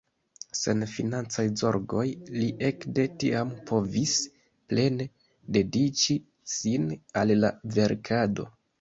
Sen financaj zorgoj li ekde tiam povis plene dediĉi sin al la verkado.